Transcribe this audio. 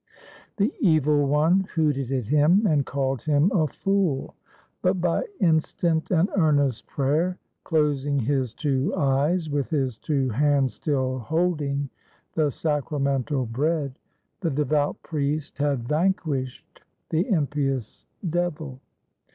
The Evil One hooted at him, and called him a fool. But by instant and earnest prayer closing his two eyes, with his two hands still holding the sacramental bread the devout priest had vanquished the impious Devil.